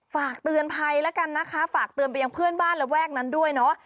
ฝากเตือนภัยแล้วกันนะคะฝากเตือนไปยังเพื่อนบ้านระแวกนั้นด้วยเนาะ